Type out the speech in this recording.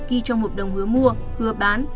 ghi trong một đồng hứa mua hứa bán